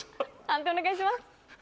判定お願いします。